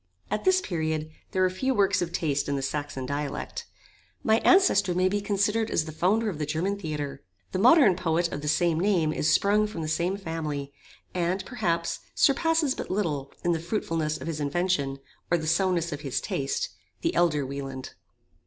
At this period there were few works of taste in the Saxon dialect. My ancestor may be considered as the founder of the German Theatre. The modern poet of the same name is sprung from the same family, and, perhaps, surpasses but little, in the fruitfulness of his invention, or the soundness of his taste, the elder Wieland.